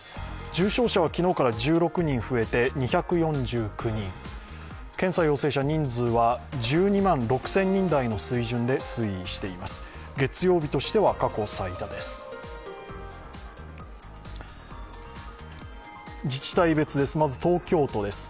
重症者は昨日から１６人増えて２４９人検査陽性者、人数は１２万６０００人台で推移しています。